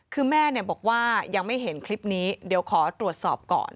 คือแม่บอกว่ายังไม่เห็นคลิปนี้เดี๋ยวขอตรวจสอบก่อน